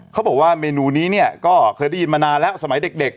เขาบอกว่าเมนูนี้เนี่ยก็เคยได้ยินมานานแล้วสมัยเด็ก